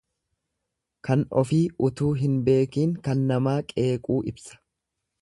Kan ofii utuu hin beekiin kan namaa qeequu ibsa.